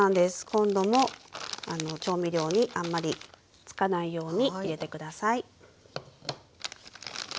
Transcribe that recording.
今度も調味料にあんまりつかないように入れて下さい。